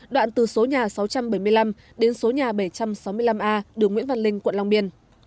đoạn từ số nhà sáu trăm bảy mươi năm đến số nhà bảy trăm sáu mươi năm a đường nguyễn văn linh quận long biên